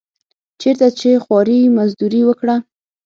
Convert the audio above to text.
چېرته څه خواري مزدوري وکړه.